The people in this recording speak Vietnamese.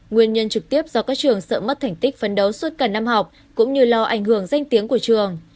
nguyên nhân trực tiếp do các trường sợ mất thành tích phấn đấu suốt cả năm học cũng như lo ảnh hưởng danh tiếng của trường